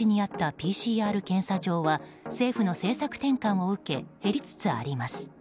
ＰＣＲ検査場は政府の政策転換を受け減りつつあります。